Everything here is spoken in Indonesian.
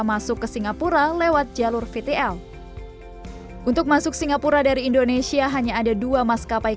masuk ke singapura lewat jalur vtl untuk masuk singapura dari indonesia hanya ada dua maskapai